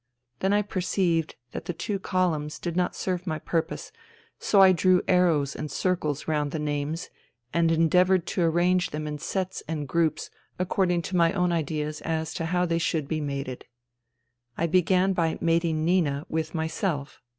Then I perceived that the two columns did not serve my purpose ; so I drew arrows and circles round the names and endeavoured to arrange them in sets and groups according to my own ideas as to how they should be mated. I began by mating Nina with myself.